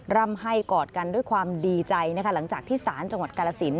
ร่ำให้กอดกันด้วยความดีใจนะคะหลังจากที่ศาลจังหวัดกาลสิน